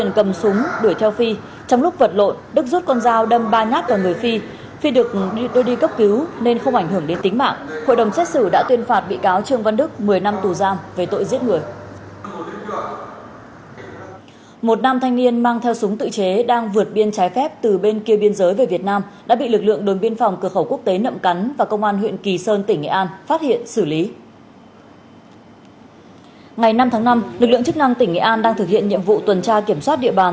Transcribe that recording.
ngày năm tháng năm lực lượng chức năng tỉnh nghệ an đang thực hiện nhiệm vụ tuần tra kiểm soát địa bàn